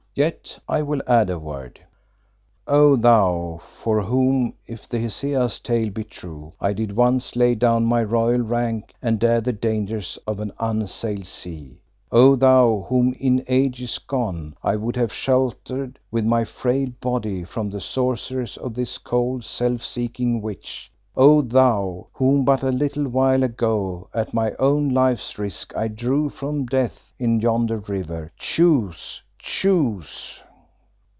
Yet I will add a word: "O thou for whom, if the Hesea's tale be true, I did once lay down my royal rank and dare the dangers of an unsailed sea; O thou whom in ages gone I would have sheltered with my frail body from the sorceries of this cold, self seeking witch; O thou whom but a little while ago at my own life's risk I drew from death in yonder river, choose, choose!"